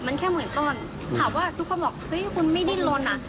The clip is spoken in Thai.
มันแค่หมื่นต้นถามว่าทุกคนบอกเฮ้ยคุณไม่ดิ้นลนอ่ะ